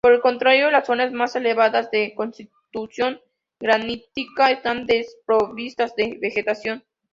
Por el contrario las zonas más elevadas, de constitución granítica, están desprovistas de vegetación.